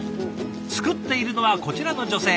作っているのはこちらの女性。